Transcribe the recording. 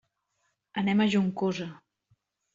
Anem a Juncosa.